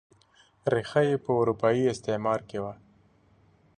ریښه یې په اروپايي استعمار کې وه.